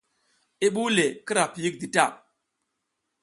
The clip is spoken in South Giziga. I ɓuw le gar kira piyik di ta.